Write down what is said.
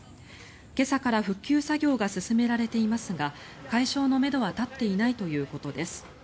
今朝から復旧作業が進められていますが解消のめどは立っていないということです。